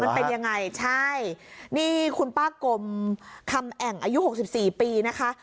มันเป็นยังไงใช่นี่คุณป้ากลมคำแอ่งอายุหกสิบสี่ปีนะคะ